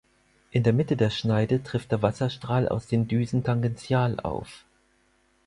In der Mitte der Schneide trifft der Wasserstrahl aus den Düsen tangential auf.